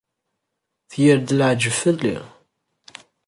Tger-d leεǧeb fell-i.